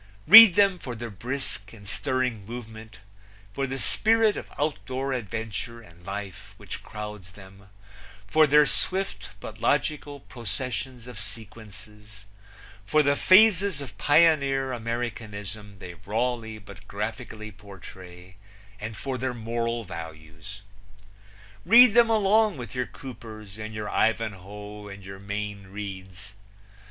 Read them for their brisk and stirring movement; for the spirit of outdoor adventure and life which crowds them; for their swift but logical processions of sequences; for the phases of pioneer Americanism they rawly but graphically portray, and for their moral values. Read them along with your Coopers and your Ivanhoe and your Mayne Reids.